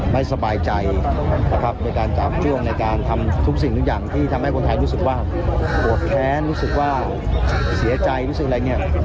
ไม่สบายใจนะครับในการจาบจ้วงในการทำทุกสิ่งทุกอย่างที่ทำให้คนไทยรู้สึกว่าโกรธแค้นรู้สึกว่าเสียใจรู้สึกอะไรเนี่ย